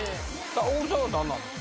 小栗さんは何なんですか？